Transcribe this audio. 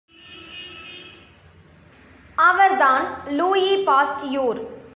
அவர்தான் Louis Pasteur!